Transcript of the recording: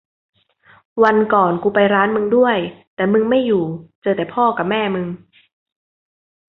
วันก่อนกูไปร้านมึงด้วย แต่มึงไม่อยู่ เจอแต่พ่อกะแม่มึง